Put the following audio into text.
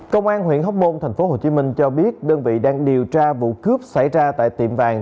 công an huyện hóc môn tp hcm cho biết đơn vị đang điều tra vụ cướp xảy ra tại tiệm vàng